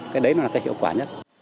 cái đấy là cái hiệu quả nhất